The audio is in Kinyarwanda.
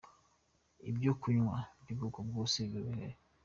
Ibyo kunywa by'ubwoko bwose biba bihari.